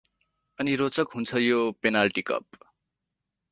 अनि रोचक हुन्छ यो पेनाल्टी कप।